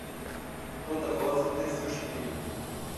Toda rosa tem seu espinho.